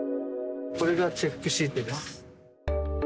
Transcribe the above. これがチェックシートです。